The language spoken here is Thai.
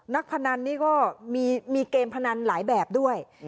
พนันนี่ก็มีเกมพนันหลายแบบด้วย